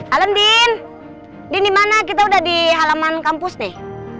alam din dimana kita udah di halaman kampus nih